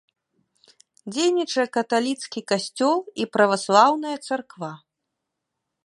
Дзейнічае каталіцкі касцёл і праваслаўная царква.